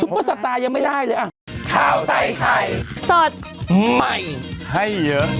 โปรดติดตามตอนต่อไป